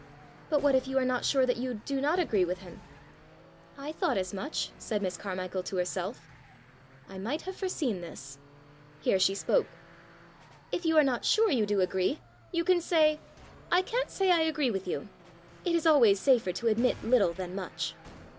"But what if you are not sure that you do not agree with him?" "I thought as much!" said Miss Carmichael to herself. "I might have foreseen this!" Here she spoke. "If you are not sure you do agree, you can say, 'I can't say I agree with you!' It is always safer to admit little than much."